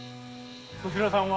そちらさんは？